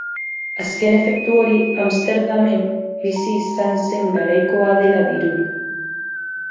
Azken efektu hori Amsterdamen bizi izan zen garaikoa dela dirudi.